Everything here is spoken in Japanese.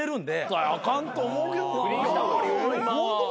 あかんと思うけどな今は。